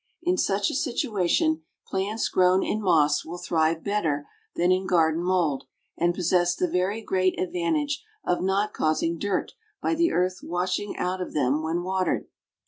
In such a situation plants grown in moss will thrive better than in garden mould, and possess the very great advantage of not causing dirt by the earth washing out of them when watered.